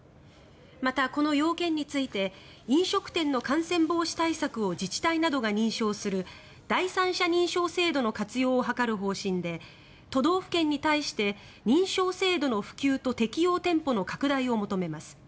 また、この要件について飲食店の感染防止対策を自治体などが認証する第三者認証制度の活用を図る方針で都道府県に対して認証制度の普及と適用店舗の拡大を求めます。